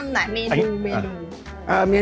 แนะนำหน่อยเมนู